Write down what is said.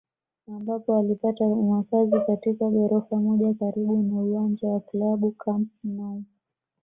ambapo walipata makazi katika ghorofa moja karibu na uwanja wa klabu Camp Nou